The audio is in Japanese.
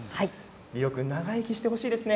リロ君長生きしてほしいですね。